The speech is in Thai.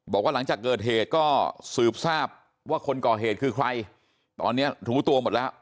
บอกว่าหลังจากเกิดเหตุก็สืบทราบว่าคนก่อเหตุคือใครตอนนี้รู้ตัวหมดแล้ว